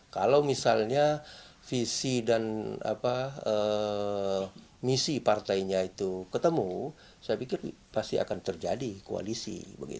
kalau misalnya visi dan misi partainya itu ketemu saya pikir pasti akan terjadi koalisi